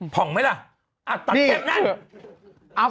ผ่องไหมล่ะตัดแค่นั้น